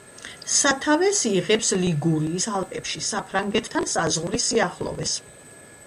სათავეს იღებს ლიგურიის ალპებში, საფრანგეთთან საზღვრის სიახლოვეს.